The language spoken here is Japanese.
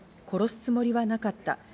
殺すつもりはなかった。